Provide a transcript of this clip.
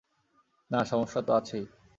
না, সমস্যা তো আছেই।